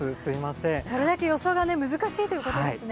それだけ予想が難しいということですね。